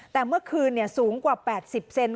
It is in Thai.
แต่เมื่อคืนสูงกว่า๘๐เซน